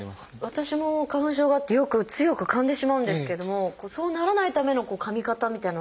私も花粉症があってよく強くかんでしまうんですけどもそうならないためのかみ方みたいなのはあるんですか？